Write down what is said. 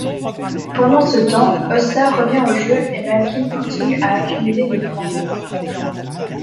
Pendant ce temps Hossa revient au jeu et Malkine continue à accumuler les points.